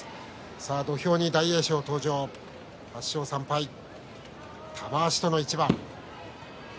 土俵に大栄翔登場、８勝３敗玉鷲との一番。